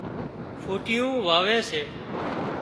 ڦُٽيون واوي سي